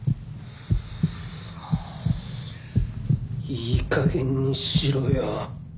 いい加減にしろよ！